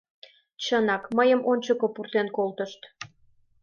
Чынак, мыйым ончыко пуртен колтышт.